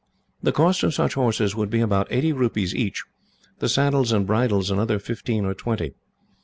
"The cost of such horses would be about eighty rupees each; the saddles and bridles another fifteen or twenty."